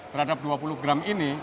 terhadap dua puluh gram ini